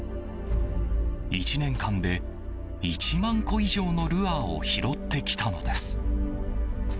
１年間で１万個以上のルアーを拾ってきたのです。